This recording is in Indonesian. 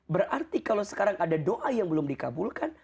berarti kalau sekarang ada doa yang belum dikabulkan